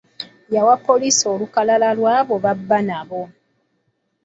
Yawa poliisi olukalala lw'abo b'abba nabo.